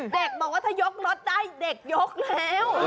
เด็กบอกว่าถ้ายกรถได้เด็กยกแล้ว